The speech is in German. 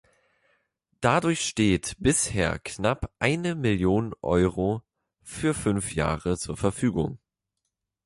Dadurch steht bisher knapp eine Million Euro für fünf Jahre zur Verfügung.